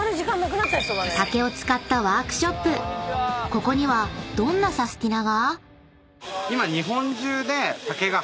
ここにはどんなサスティな！が？］